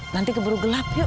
nanti keburu gelap yuk